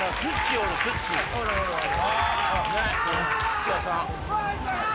土屋さん。